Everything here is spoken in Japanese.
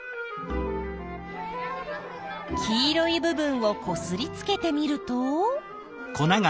黄色い部分をこすりつけてみると。